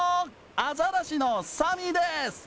アザラシのサミーです！